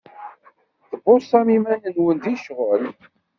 Tbuṣam iman-nwen di ccɣel.